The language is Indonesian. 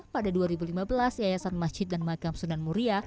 pada dua ribu lima belas yayasan masjid dan makam sunan muria